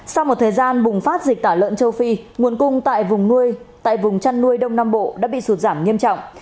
sau một thời gian bùng phát dịch tả lợn châu phi nguồn cung tại vùng chăn nuôi đông nam bộ đã bị sụt giảm nghiêm trọng